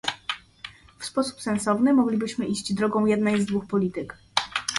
W sposób sensowny moglibyśmy iść drogą jednej z dwóch polityk